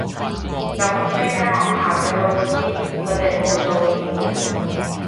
噉呢間學校嘅老師，佢哋冇人做嘢㗎？